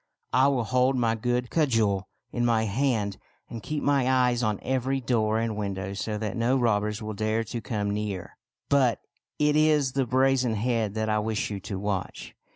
I will hold my good cudgel in my hand, and keep my eyes on every door and window so that no robbers will dare to come near." " But it is the brazen head that I wish you to watch.